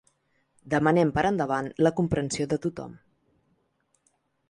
Demanem per endavant la comprensió de tothom.